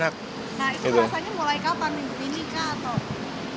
nah itu rasanya mulai kapan minggu ini kah atau